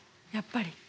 やっぱり。